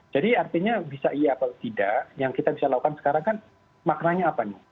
jadi artinya bisa iya atau tidak yang kita bisa lakukan sekarang kan maknanya apa nih